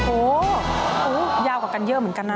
โอ้โหยาวกว่ากันเยอะเหมือนกันนะ